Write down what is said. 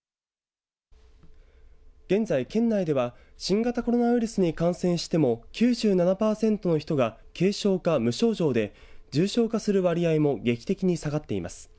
現在、県内では新型コロナウイルスに感染しても９７パーセントの人が軽症が無症状で重症化する割合も劇的に下がっています。